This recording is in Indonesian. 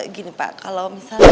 gini pak kalau misalnya saya bayar